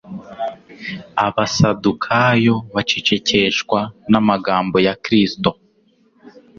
Abasadukayo bacecekeshwa n'amagambo ya Kristo.